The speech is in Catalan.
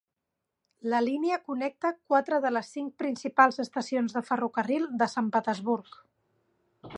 La línia connecta quatre de les cinc principals estacions de ferrocarril de Sant Petersburg.